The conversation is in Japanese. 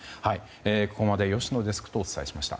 ここまで吉野デスクとお伝えしました。